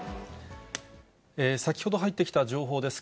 先ほど入ってきた情報です。